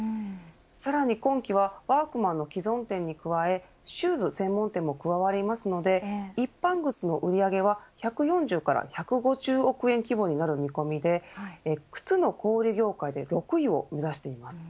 さらに今期はワークマンの既存店に加えシューズ専門店も加わりますので一般靴の売り上げは１４０から１５０億円規模になる見込みで靴の小売り業界で６位を目指しています。